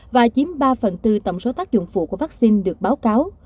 và chiếm ba phần tư tổng số tác dụng phụ của vaccine được báo cáo